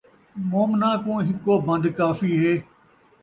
مومناں کوں ہکو بن٘د کافی ہے